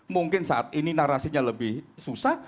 mungkin saat ini narasinya lebih susah